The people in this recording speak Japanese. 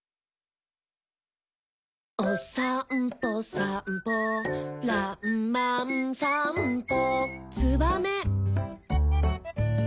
「おさんぽさんぽらんまんさんぽ」